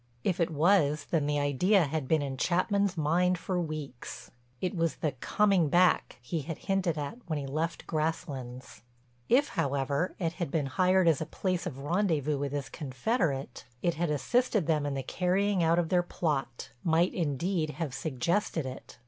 If it was then the idea had been in Chapman's mind for weeks—it was the "coming back" he had hinted at when he left Grasslands. If, however, it had been hired as a place of rendezvous with his confederate, it had assisted them in the carrying out of their plot—might indeed have suggested it.